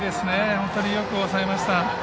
本当によく抑えました。